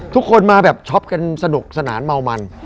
ทุกคนมาแบบช็อปกันสนุกสนานเมามัน